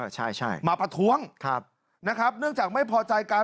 ใช่มาประท้วงนะครับเนื่องจากไม่พอใจกัน